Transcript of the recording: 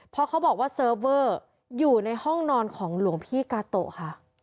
เพราะเขาบอกว่าเซิร์ฟเวอร์อยู่ในห้องนอนของหลวงพี่กาโตะค่ะ